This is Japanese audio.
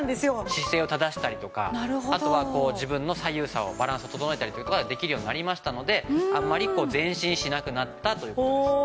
姿勢を正したりとかあとは自分の左右差をバランスを整えたりという事ができるようになりましたのであんまり前進しなくなったという事です。